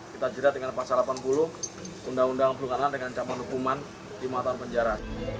kita jerat dengan pasal delapan puluh undang undang pelukanan dengan ancaman hukuman lima tahun penjara